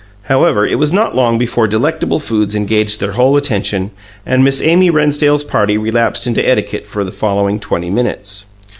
However, it was not long before delectable foods engaged their whole attention and Miss Amy Rennsdale's party relapsed into etiquette for the following twenty minutes.